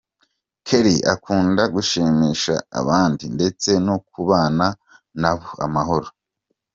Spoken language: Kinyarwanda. Kelly akunda gushimisha abandi ndetse no kubana nabo amahoro.